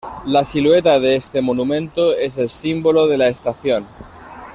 La silueta de este monumento es el símbolo de la estación.